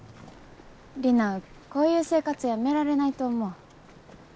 リナこういう生活やめられないと思う。